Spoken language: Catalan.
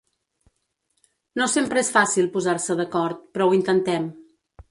No sempre és fàcil posar-se d’acord, però ho intentem.